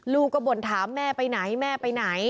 ลูกก็บ่นถามแม่ไปไหนแม่ไปไหน